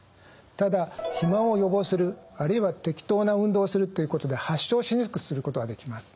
ただ肥満を予防するあるいは適当な運動をするということで発症しにくくすることはできます。